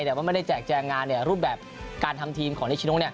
แต่ว่าไม่ได้แจกแจงงานรูปแบบการทำทีมของนิชโน